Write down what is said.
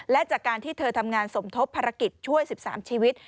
และจากการที่เธอทำงานสมทบภารกิจช่วย๑๓ชีวิต